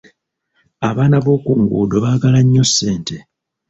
Abaana b’oku nguundo baagala nnyo ssente.